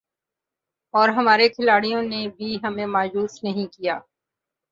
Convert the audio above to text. اور ہمارے کھلاڑیوں نے بھی ہمیں مایوس نہیں کیا